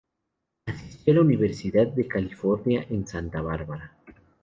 Asistió a la Universidad de California en Santa Bárbara.